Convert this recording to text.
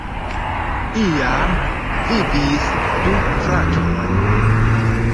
Iam vivis du fratoj.